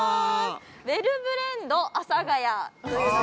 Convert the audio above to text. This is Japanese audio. ウェルブレンド阿佐ヶ谷。